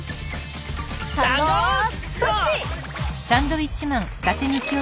「サンドどっち」。